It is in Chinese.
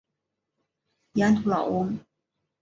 盐土老翁。